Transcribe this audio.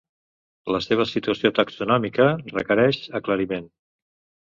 La seva situació taxonòmica requereix aclariment.